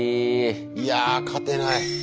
いやあ勝てない。